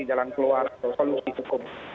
jalan keluar atau solusi hukum